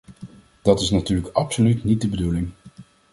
Dat is natuurlijk absoluut niet de bedoeling.